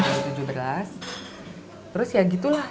terus ya gitu lah